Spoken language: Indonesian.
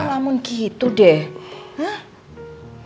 kamu lamun gitu deh hah